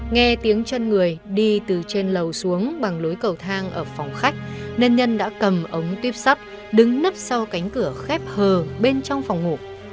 nghe tiếng chân người đi từ trên lầu xuống bằng lối cầu thang ở phòng khách nên nhân đã cầm ống tuyếp sắt đứng nấp sau cánh cửa khép hờ bên trong phòng ngủ